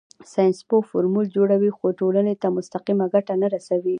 ساینسپوه فورمول جوړوي خو ټولنې ته مستقیمه ګټه نه رسوي.